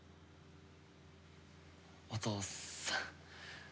お父さん。